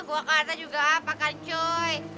gua kata juga apa kan coy